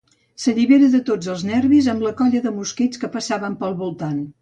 S'allibera de tots els nervis amb la colla de mosquits que passen pel voltant.